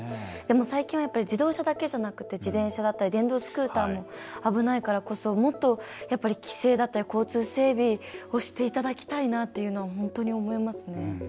最近は自動車だけじゃなくて自転車だったり電動スクーターも危ないからこそもっと、規制だったり交通整備をしていただきたいなというのを本当に思いますね。